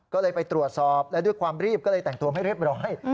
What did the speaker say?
ก็เลยไปตรวจสอบและด้วยความรีบก็เลยแต่งตัวไม่เรียบร้อย